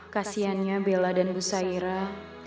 kasiannya bella dan musairah